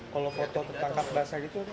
kalau foto tertangkap basah gitu